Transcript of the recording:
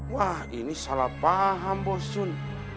wah ini salah paham bos jun